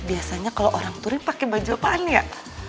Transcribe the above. biasanya kalo orang turi pake baju apaan ya